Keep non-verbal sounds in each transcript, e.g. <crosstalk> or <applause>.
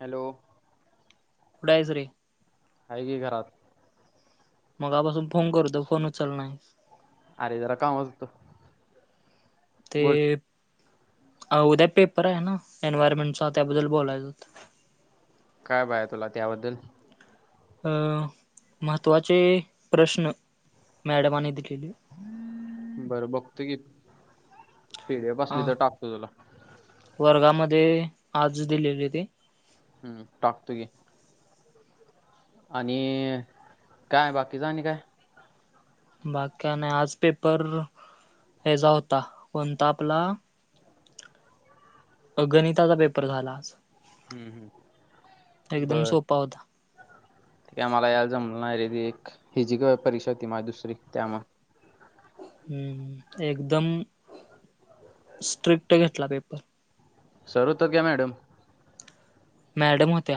Hello. कुठायस रे. हाय की घरात. मगापासून फोन करतोय फोन उचलला नाहीस. अरे जरा कामचं होत. ते उद्या पेपर आहे ना एनवायरमेंटचा त्याबद्दल बोलायच हुतं. काय पाय तुला त्याबद्दल. अ महत्त्वाचे प्रश्न मॅडमांनी दिलेले. बरं बघतो घे पी डी यफ हा असली तर टाकतो तुला. वर्गामध्ये आज दिलेली होती. हम्म टाकतो घे. आणि काय बाकीचं आणि काय? बाकी काय नाय आज पेपर ह्यजा होता कोणता आपला. अ गणिताचा पेपर झाला आज. हम्म हम्म एकदम बर. सोपा होता. ते काय मला यायला जमल नाय रे ते एक फिजीकल परीक्षा होती माझी दुसरी त्यामुळं. हम्म एकदम स्ट्रिक्ट घेतला पेपर. सर होतेत काय मॅडम? मॅडम होत्या.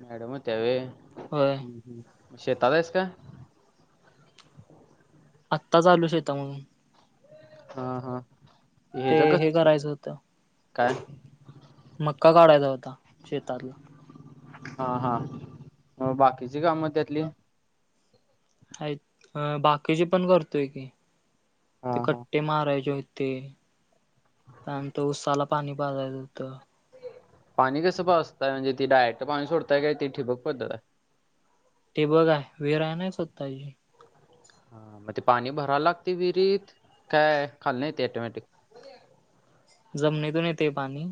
मॅडम होत्या वय. व्हयं. शेतात आहेस काय? आत्ताच आलोय शेता मधून. हा हा हे ते ह्यज्यागस करायचं होतं काय. मक्का काढायचा होता शेतातला. हा हा मग बाकीची कामं त्यातली. आहेत अ बाकीचे पण करतोय की ते हां हां कट्टे मारायचे आहेत. ते त्यानंतर ऊसाला पाणी पाजायचं होतं. पाणी कसं पाजताय म्हणजे ती डायरेक्ट पाणी सोडताय काय ती ठिबक पद्धत आहे. ते बरयं विहीर आहे नाय स्वताःची. हा मग ते पाणी भराय लागतयं विहिरीत काय खालनं येतयं ऑटोमॅटिक. जमनीतून येते पाणी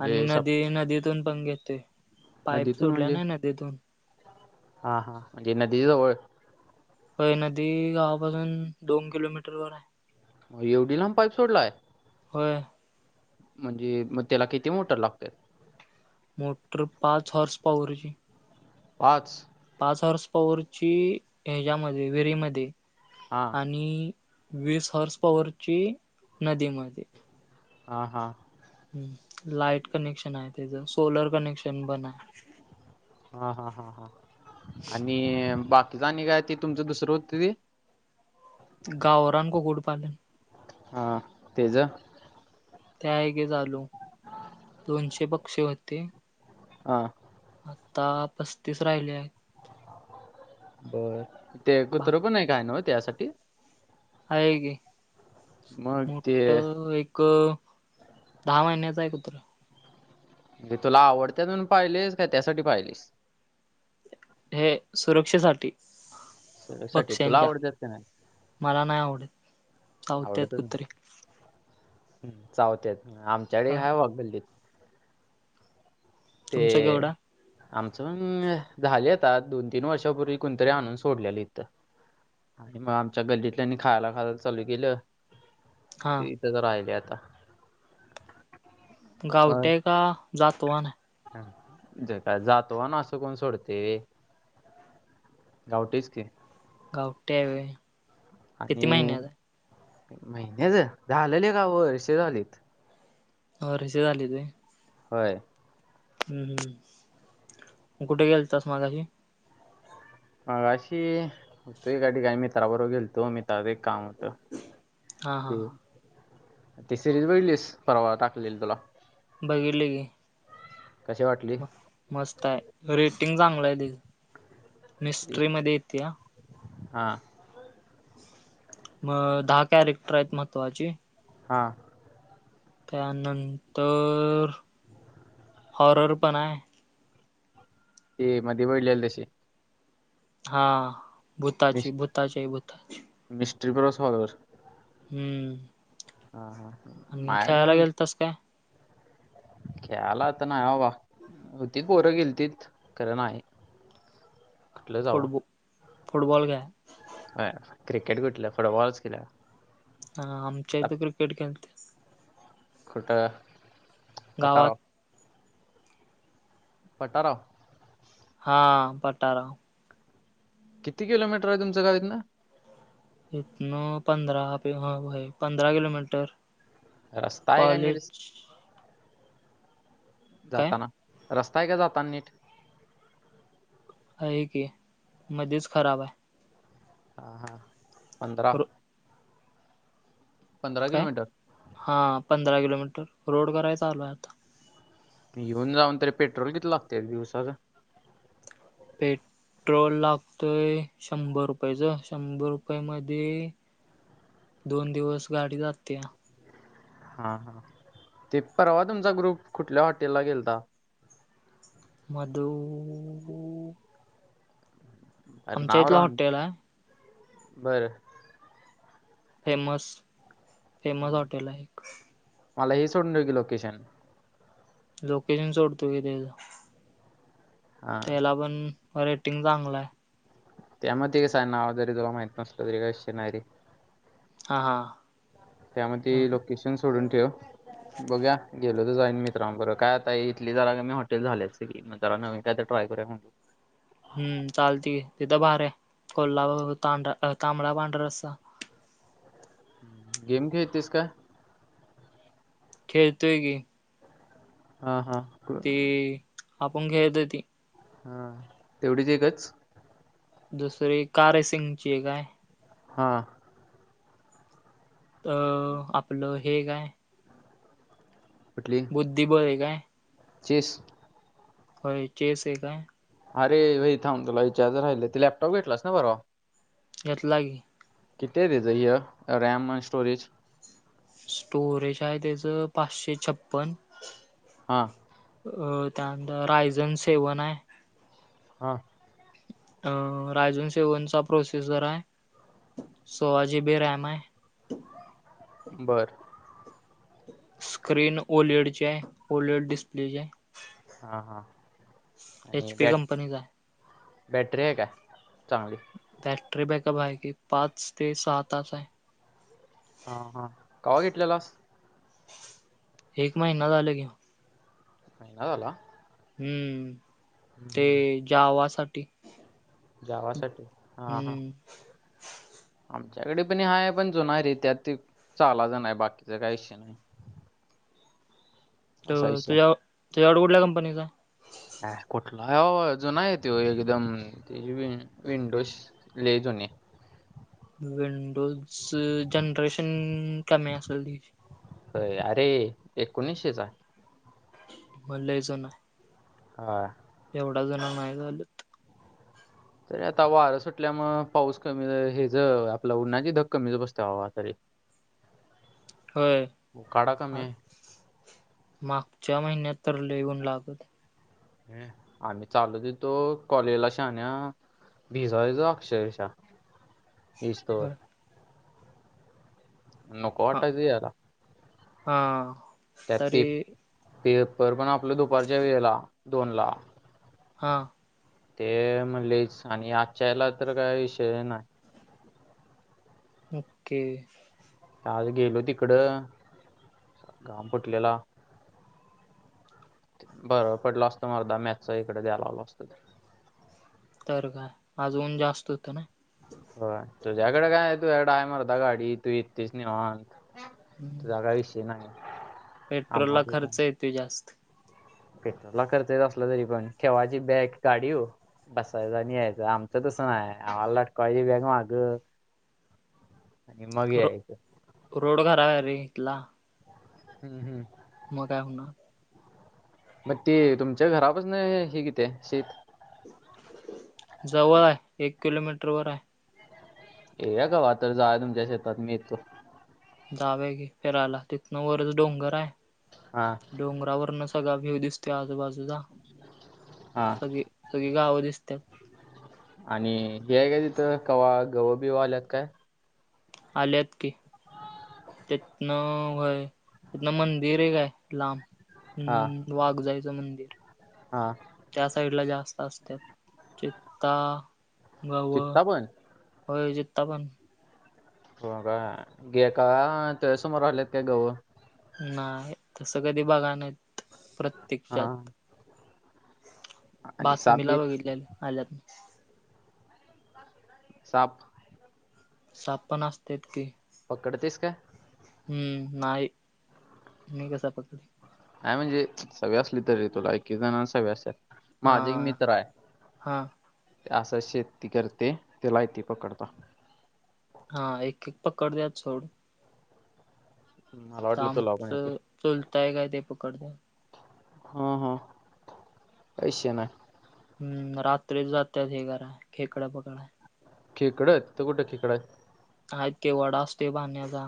आणि सब नदी नदीतून पण घेते. नदीतून म्हणजे हा हा म्हणजे नदी जवळ. होय नदी गावापासून दोन किलोमीटर वर आहे. एवढी लांब पाईप सोडलाय. होय. म्हणजे मग त्याला किती मोटर लागतेत? मोटर पाच हॉर्स पावरची. आज? पाच हर्स पवरवरची हच्यामध्ये विरीमध्ये हा आणि. वीस हॉर्स पॉवरची नदीमध्ये. हा हा. हम् लाइट कनेक्शन आहे त्याच सोलर कनेक्शन पण आहे. हा हा हा हा आणि बाकीचं आणि काय ते तुमचं दुसरं होत ते? गावरां कोकडपाले. ह तेज. ते आहे की चालू दोनशे पक्षी होते. हां. आता पस्तीस राहिलीया बर ते भाग कुत्र पण आहे काय ना म त्यासाठी. आहे की मग ते मोठ एक दहा महिन्याच आहे कुत्र. तुला आवडते म्हणून पाहिलेस का त्यासाठी पाहिलेस. हे सुरक्षेसाठी. साठी तुला बक्ष्यांच्या आवडतात का नाही मला नाही आवडत चावतात कुत्रे. ह चावत्यात आमच्याकडे हा काय बावा गल्लीत. ते. तुमचा केवढा आमचं पण झाले आ दोन तीन वर्षापूर्वी कोुणतरी आणून सोडलेली इथं. आणि मग आमच्या गल्लीतल्यानी खायला घालाय चालू केलं. हा ते इथं तर राहिले आता. गावठी आहे का जातवान आहे? ह ज काय जातो ना असं कोण सोडते. गावटच की. गावठी आहे होय किती महिन्याच आहे? महिन्याच झालं, लेका वर्ष झालीत. होरिच्या झालीत होय? होय. हम्म हम् कुठे गेल तस माझाशी. मग अशी तोय गाडी काय मित्राबरोबर गेल तो मी तुझ्याकडं एक काम होतं हा हा ते. ती सिरीज बघितलीस परवा टाकलेली तुला? बघितलंय की कशी वाटली. म मस्त आहे रेटिंग चांगलं आहे त मिस्ट्री मध्ये येते या. हा. मग दहा कॅरेक्टर आहेत महत्त्वाची. हा. त्यानंतर हॉरर पण आहे. हे मधी बघितलेलं तशी हा भूताची भूताची भूताची. म मिस्ट्री ब सलर. हम्म. हा हा हा. आणि खेळायला गेलतास काय? खेळायला आता नाही बाबा होती पोरं गेलतीत खरं नाही. <inaudible> फुटबू फुटबॉल काय. हं, क्रिकेट कुठलं फुटबॉलच केला. हा आमच्या इथे क्रिकेट. <unintelligible> कुठं? गावात पटाराव पटाराव. हा, पटाराव. किती किलोमीटर हाय तुमचं गाव इथनं? इतनं पंधरा <unintelligible> व्हय, पंधरा किलोमीटर. रस्ता आहे का नीट? कॉलेज काय जाताना, रस्ताय हे का जातान नीट? आहे की, मध्येच खराब हाय. हा हा, पंधरा. रो पंधरा किलोमीटर? हा पंधरा किलोमीटर, रोड कराय चालू हाय आता. येेऊन जाऊन तरी पेट्रोल किती लागतय रे दिवसाला? पेट्रोल लागतोय शंभर रुपयचं, शंभर रुपयमध्ये दोन दिवस गाडी जात्या. हा हा, ते परवा तुमचा ग्रुप कुठल्या हॉटेलला गेलता? मधु अरे आमच्या नाव इथलं राहून. हॉटेल आहे बरं. फेमस, फेमस हॉटेल आहे एक. मला हे सोडून ठेव की लोकेशन. लोकेशन सोडतो की तेजं. हा. तेलापण रेटिंग चांगलं हाय. त्यामध्ये कसं हाय, नाव जरी तुला माहित नसलं तरी काय विषय नायरे. हां हां. त्यामध्ये लोकेशन सोडून ठेव. बघूया गेलो तर जाईन मित्रांबर काय आता इथली जरा का नाय हॉटेल झाल्यात सकी. मग जरा नवीन कायतर ट्राय करूया मग. हम्म चालतंय की. तिथं भारी हाय, कोल्हापूर तांढ तांबडा पांढरा रस्सा. गेम खेळतेस का? खेळतोय की. हा हा <unintelligible> ती आपण घ्याय येतो ती. हा, तेवढीच एकच? दुसरी कार रेसिंगची एक हाय. हा. अ आपलं हे एक हाय कुठली? बुद्धिबळ एक हाय चेस. होय चेस एक हाय. अरे व्हय थांब, तुला विचारायचं राहिलं, ते लॅपटॉप घेतलास ना परवा? घेतला की. किती आहे त्याज ह्य रॅम आण स्टोरेज. स्टोरेज आहे त्याचं पाचशे छप्पन्न. हां. अ त्यानंतर रायजन सेवन हाय. हा. अ रायजोन सेवन चा प्रोसिजर आहे सोळा जी बी रॅम आहे. बरं. स्क्रीन ओलड ची आहे ओलड डिस्प्लेची आहे. हा हां एच आणि पी बॅट कंपनीचा आहे बॅटरी आहे काय चांगली. बॅटरी बॅकअप आहे की पाच ते सहा तास आहे. हा हा कवा घेतलेलास? एक महिना झाल घेऊन. महिना झाला. हम्म हम्म, ते हम्म. जावासाठी. जावासाठी. हा हा हम्म. आमच्याकडे पण हाय पण जुनाय रे त्यात ते चालाच नाही बाकीचा काय विषय नाही. त असा विषय तुझ्या तुझ्याकडं कुठल्या कंपनीचाय? है कुठलाय बाबा जुनाय त्यो एकदम त्यजी वि अ विंडोज लई जुनिय. विंडोज जनरेशन कमी असेल त्यजी. होय अरे एकोणीसशेचा. म लईच ऊनयं. हा. एवढा जण नाही झालं. तरी आता वारं सुटल्यामुळं पाऊस कमी ह्यज आपलं उन्हाची धग कमीच बसतीया बाबा तरी. <inaudible> होय उकाडा कमी आ आहे मागच्या महिन्यात तर लई ऊन लागत हं आम्ही चालते येतो कॉलेजला शाहण्या. भिजायचो अक्षरशः इसतवर. ह नको हा वाटायचं यायला. हा. त्यात पे तरी पेपर पण आपलं दुपारच्या वेळेला दोनला. हा. ते म लईच आणि आजच्या याला तर काही विषय नाय. ओके. आज गेलो तिकडं घाम फुटलेला. बरं पडलं असतं मर्दा मॅथचा इकडं द्यायला आलो असतो तर. तर काय आज ऊन जास्त होतं नाय. व्हय तुझ्याकडं काय तुझ्याकडं हाय मर्दा गाडी तु इतुयस निवांत. हम्म. तुझा काय विषय नाही. पेट्रोलला आम्हाला काय खर्च येतोय जास्त. पेट्रोलला खर्च येत असला तरी पण ठेवायची बॅग गाडीवर बसायच आणि यायचं आमचं तसं नाही आम्हाला लटकवायची बाग माग आणि मग रो यायचं. रोड घरा आहे रे इथला. हम्म हम्म. मग काय होणार. मग ते तुमच्या घरापासन हे किती आहे शेत? जवळ आहे एक किलोमीटर वर आहे. ये या कवा तर जावूया तुमच्या शेतात मी येतो. जावूया घे फिरायला तिथनं वरच डोंगर आहे. हा. डोंगरावरन सगळा व्हू दिस त्या आजूबाजूचा हा सगळी सगळी गावं दिसत्यात. आणि हे आय काय तिथं कवा गव बीव आल्यात काय? आल्यात की. तितंन व्हयं तितनं मंदिर एक हाय लांब. हा हम्म वाघजाईचं मंदिर. हा. त्या साईडला जास्त असत्यात चित्ता, गव. चित्ता पण होय जित्ता पण. हो काय गे का तुज्यासमोर आल्यात काय गव. नाही तस कधी बगाय नाहीत हा प्रत्यक्षात. आणि साप बातमीला बीप बघितल्याल आल्यात. साप. साप पण असत्यात की. पकडतोयस काय? हम्म नाही मी कसा पटलं. हाय म्हणजे सगळ असली तरी तुला एक एक जणाला सवय असत्यात. माझं एक हा मित्र आहे हा ते असंचं शेती करतयं त्याला इतय पकडता. हा एक एक पकडत्यात सोड. मला ता वाटलं तुला पण येते आमचं चुलताय काय ते पकडत्यात. हा हा पैशे नाय. हम्म रात्रीचं जात्यात हे कराय खेकडं पकडाय. खेकडं तिथं कुठं खेकडं आहेत. हायत कि वडा असतोय पाण्याचा.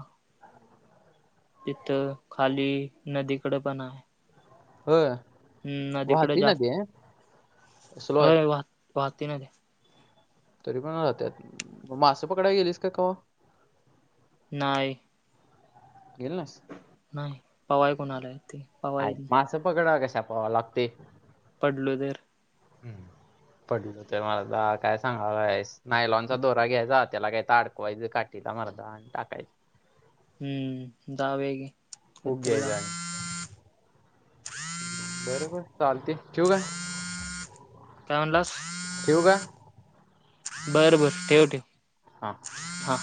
तिथं खाली नदीकडं पण आहे. होय नदीकडे वाहतय ना जास्त ते स्लो आहे. होय वाह वाहती नदी आहे. तरी पण राहत्यात म मासं पकडाय गेलाईस काय कवा. नाही. गेल नाईस. नाही पवाय कुणाला येतय. अ रे मासं पकडाय कशाला पवाय लागतय. पडलो तर. हम्म पडलो तेवा दा काय सांगायलायस. नायलॉनचा दोरा घ्यायचा त्याला काय तर अडकवायचं काठीला मर्दा आणि टाकायचं. हम्म जवूया घे. खूप घ्यायचा आणि हम्म बर बर चालतय ठेवू काय. काय म्हणालास? ठेवू का. बरं बर ठेव ठेव. हां. हा.